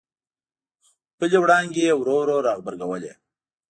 خپلې وړانګې یې ورو ورو را غبرګولې.